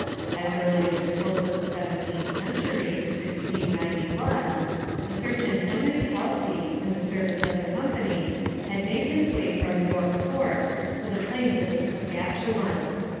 As early as the close of the seventeenth century (1691) a certain Henry Kelsey, in the service of the company, had made his way from York Fort to the plains of the Saskatchewan.